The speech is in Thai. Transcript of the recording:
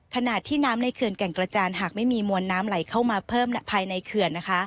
ขณะที่น้ำในเขื่อนแก่งกระจานหากไม่มีมวลน้ำไหลเข้ามาเพิ่มภายในเขื่อนนะคะ